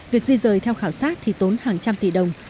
người theo khảo sát thì tốn hàng trăm tỷ đồng